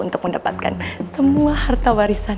untuk mendapatkan semua harta warisan